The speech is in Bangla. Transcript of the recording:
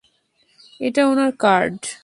এটা উনার কার্ড।